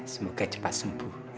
semoga cepat sembuh ya